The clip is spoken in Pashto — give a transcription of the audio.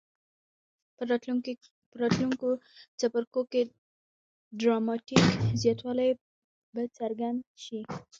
په راتلونکو څپرکو کې ډراماټیک زیاتوالی به څرګند شي.